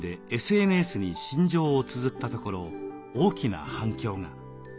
ＳＮＳに心情をつづったところ大きな反響が。